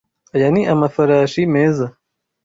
Aya ni amafarashi meza.